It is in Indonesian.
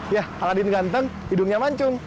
yah aladin ganteng hidungnya mancung